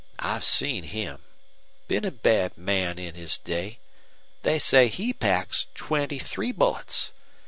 I've seen him. Been a bad man in his day. They say he packs twenty three bullets.